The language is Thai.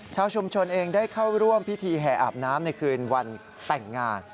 ชาวชุมชนเองได้เข้าร่วมพิธีแห่อาบน้ำในคืนวันแต่งงาน